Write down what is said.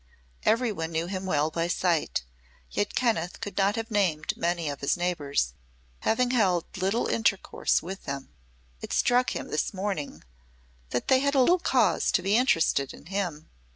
Everyone knew him well by sight, yet Kenneth could not have named many of his neighbors, having held little intercourse with them. It struck him, this morning, that they had little cause to be interested in him.